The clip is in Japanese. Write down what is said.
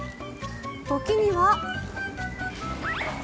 時には。